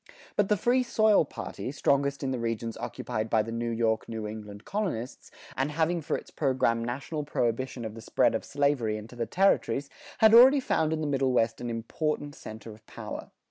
But the Free Soil party, strongest in the regions occupied by the New York New England colonists, and having for its program national prohibition of the spread of slavery into the territories, had already found in the Middle West an important center of power.